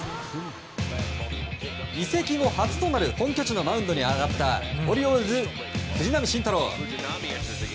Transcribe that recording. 移籍後初となる本拠地のマウンドに上がったオリオールズ、藤浪晋太郎。